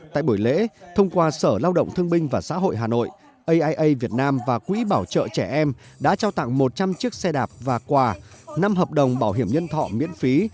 tại buổi lễ thông qua sở lao động thương binh và xã hội hà nội aia việt nam và quỹ bảo trợ trẻ em đã trao tặng một trăm linh chiếc xe đạp và quà năm hợp đồng bảo hiểm nhân thọ miễn phí